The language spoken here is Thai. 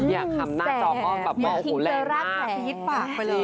อยากทำหน้าจอมองหูแหลกมาก